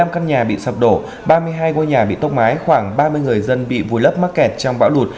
một mươi năm căn nhà bị sập đổ ba mươi hai ngôi nhà bị tốc mái khoảng ba mươi người dân bị vùi lấp mắc kẹt trong bão đụt